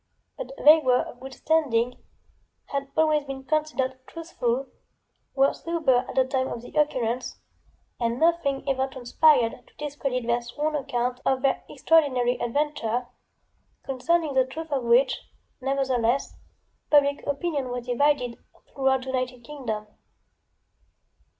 But they were of good standing, had always been considered truthful, were sober at the time of the occurrence, and nothing ever transpired to discredit their sworn account of their extraordinary adventure, concerning the truth of which, nevertheless, public opinion was divided, throughout the United Kingdom.